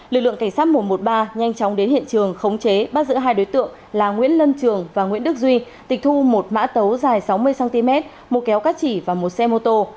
lực lượng cảnh sát một trăm một mươi ba nhanh chóng đến hiện trường khống chế bắt giữ hai đối tượng là nguyễn lân trường và nguyễn đức duy tịch thu một mã tấu dài sáu mươi cm một kéo cắt chỉ và một xe mô tô